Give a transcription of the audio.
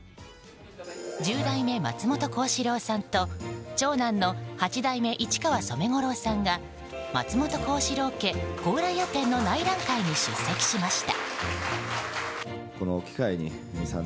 十代目松本幸四郎さんと長男の八代目市川染五郎さんが「松本幸四郎家高麗屋展」の内覧会に出席しました。